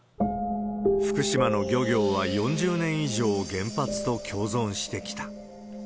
福島の漁業は４０年以上原発と共存してきた。